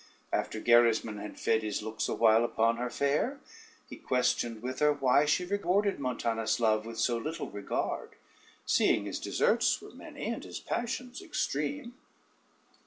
After Gerismond had fed his looks awhile upon her fair, he questioned with her why she rewarded Montanus' love with so little regard, seeing his deserts were many, and his passions extreme.